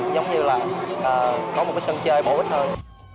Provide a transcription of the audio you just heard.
giống như là có một cái sân chơi bổ ích hơn